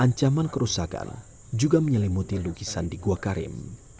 ancaman kerusakan juga menyelimuti lukisan di gua karim